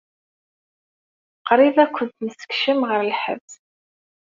Qrib ad kent-nessekcem ɣer lḥebs.